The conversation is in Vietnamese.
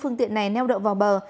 phương tiện này neo đậu vào bờ